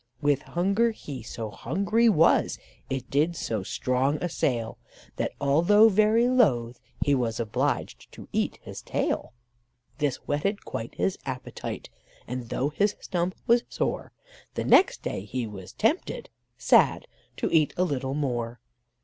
With hunger he so hungry was it did so strong assail, That, although very loath, he was obliged to eat his tail. This whetted quite his appetite, and though his stump was sore, The next day he was tempted (sad) to eat a little more.